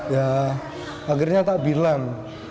ya akhirnya tak bilang